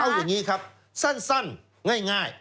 เอาอย่างนี้ครับสั้นง่าย